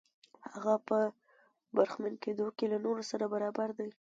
هغه په برخمن کېدو کې له نورو سره برابر دی.